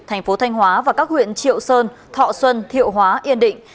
thành phố thanh hóa và các huyện triệu sơn thọ xuân thiệu hóa yên định